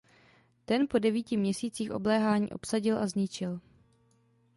Ten po devíti měsících obléhání obsadil a zničil.